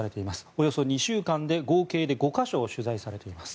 およそ２週間で合計で５か所を取材されています。